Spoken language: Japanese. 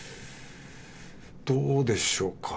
どうでしょうか。